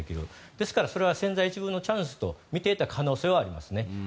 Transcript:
ですからそれは千載一遇のチャンスと見ていた可能性はありますね。